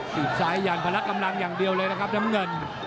ซ้ายยันพละกำลังอย่างเดียวเลยนะครับน้ำเงิน